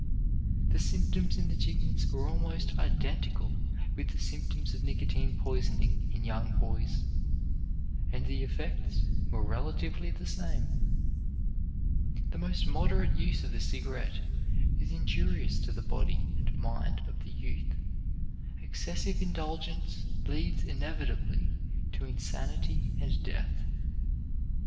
The symptoms in the chickens were almost identical with the symptoms of nicotine poisoning in young boys, and the effects were relatively the same. The most moderate use of the cigarette is injurious to the body and mind of the youth; excessive indulgence leads inevitably to insanity and death.